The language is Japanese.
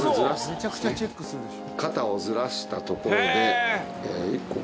めちゃくちゃチェックするでしょ。